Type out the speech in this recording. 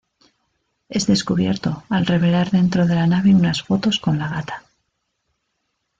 Es descubierto al revelar dentro de la nave unas fotos con la gata.